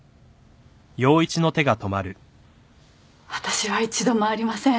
私は一度もありません。